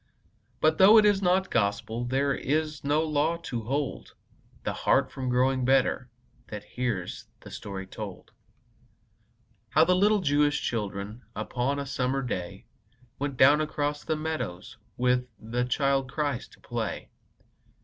But though it is not Gospel, There is no law to hold The heart from growing better That hears the story told: How the little Jewish children Upon a summer day, Went down across the meadows With the Child Christ to play.